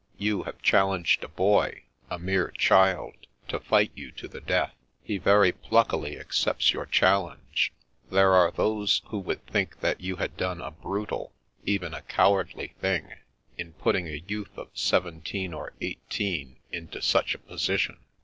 You have challenged a boy, a mere child, to fight you to the death. He very pluckily accepts your challenge. There are those who would think that you had done a brutal, even a cowardly thing, in putting a youth of seventeen or eighteen into such a position.